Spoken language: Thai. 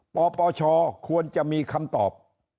ปปชควรจะมีคำตอบ